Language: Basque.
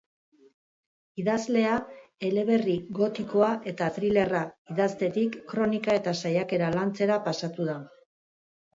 Idazlea eleberri gotikoa eta thrillerra idaztetik kronika eta saiakera lantzera pasatu da.